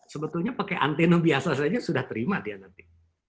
sebetulnya pakai anteno biasa saja sudah terima dia nanti